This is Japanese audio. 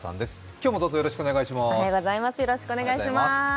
今日もどうぞよろしくお願いします。